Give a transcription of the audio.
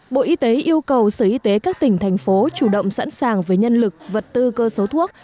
bộ y tế yêu cầu sở y tế các tỉnh thành phố chủ động sẵn sàng với nhân lực vật tư cơ số thuốc